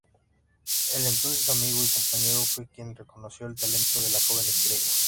El entonces amigo y compañero fue quien reconoció el talento de la joven estrella.